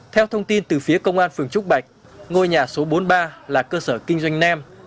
theo thông tin từ phía công an phường trúc bạch ngôi nhà số bốn mươi ba là cơ sở kinh doanh nem